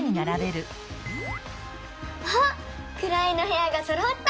あっくらいのへやがそろった！